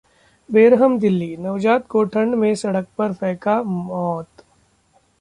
बेरहम दिल्ली: नवजात को ठंड में सड़क पर फेंका, मौत